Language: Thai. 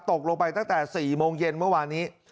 ตกลงไปตั้งแต่๔โมงเย็นเมื่อวานนี้